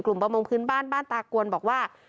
ประมงพื้นบ้านบ้านตากวนบอกว่า